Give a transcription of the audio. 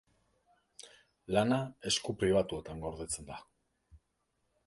Lana esku pribatuetan gordetzen da.